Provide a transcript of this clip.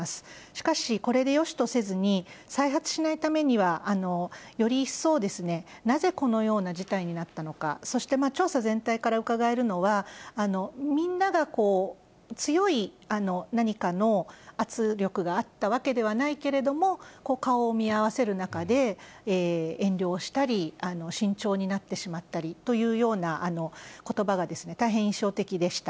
しかし、これでよしとせずに、再発しないためには、より一層、なぜこのような事態になったのか、そして調査全体からうかがえるのは、みんなが強い何かの圧力があったわけではないけれども、顔を見合わせる中で、遠慮をしたり、慎重になってしまったりというようなことばが大変印象的でした。